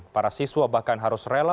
para siswa bahkan harus rela